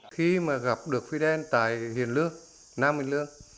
khi mà gặp được fidel tại hiền lương nam bình lương